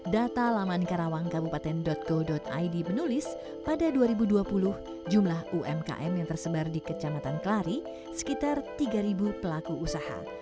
data laman karawang kabupaten go id menulis pada dua ribu dua puluh jumlah umkm yang tersebar di kecamatan kelari sekitar tiga pelaku usaha